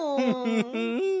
フフフフン！